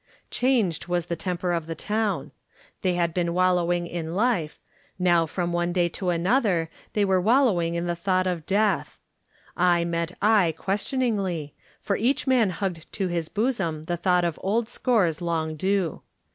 Changed was the temper of the town. They had been wallowing in life. Now from one day to another they were wallowing in the thought of death. Eye met eye ques tioningly, for each man hugged to his bosom the thought of old scores long due.